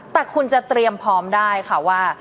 แต่คุณจะเตรียมพร้อมได้ค่ะว่า